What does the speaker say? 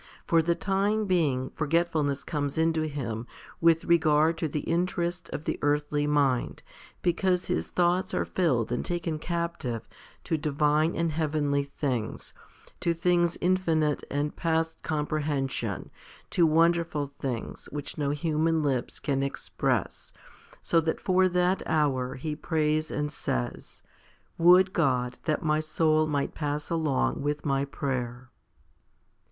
For the time being forgetfulness comes into him with regard to the in terests of the earthly mind, because his thoughts are filled and taken captive to divine and heavenly things, to things infinite and past comprehension, to wonderful things which no human lips can express, so that for that hour he prays and says, " Would God that my soul might pass along with my prayer